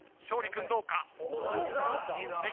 勝利君どうか？